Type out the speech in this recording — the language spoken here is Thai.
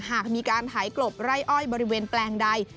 หากมีการหายกลบไร่อ้อยบริเวณแปลงใด